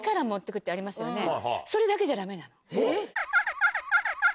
えっ！